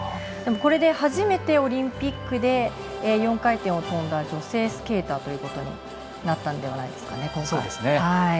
でも、これで初めてオリンピックで４回転を跳んだ女性スケーターになったんではないでしょうかね。